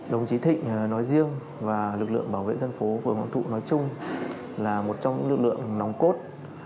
đồng chí thịnh nói riêng và lực lượng bảo vệ dân phố phường hoàng thụ nói chung là một trong những lực lượng nòng cốt